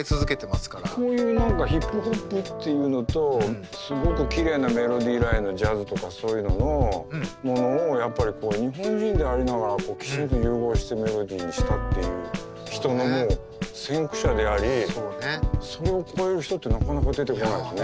こういう何かヒップホップっていうのとすごくきれいなメロディーラインのジャズとかそういうののものをやっぱり日本人でありながら融合してメロディーにしたっていう人の先駆者でありそれを超える人ってなかなか出てこないよね。